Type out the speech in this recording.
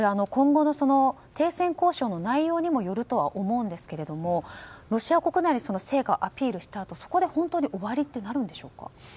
今後の停戦交渉の内容にもよるとは思うんですけれどもロシア国内にその成果をアピールしたあとそこで本当に終わりとなるんでしょうか？